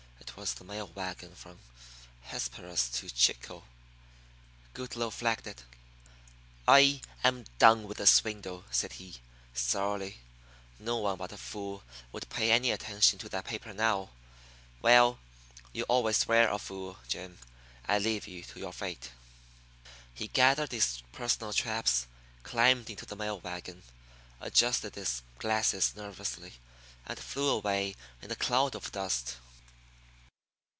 It was the mail wagon from Hesperus to Chico. Goodloe flagged it. "I am done with the swindle," said he, sourly. "No one but a fool would pay any attention to that paper now. Well, you always were a fool, Jim. I leave you to your fate." He gathered his personal traps, climbed into the mail wagon, adjusted his glasses nervously, and flew away in a cloud of dust.